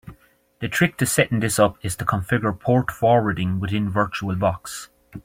The trick to setting this up is to configure port forwarding within Virtual Box.